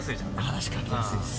話かけやすいんです。